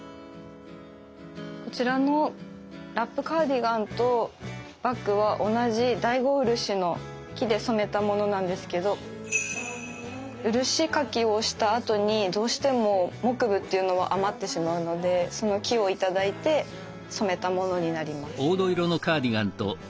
こちらのラップカーディガンとバッグは同じ大子漆の木で染めたものなんですけど漆かきをしたあとにどうしても木部っていうのは余ってしまうのでその木を頂いて染めたものになります。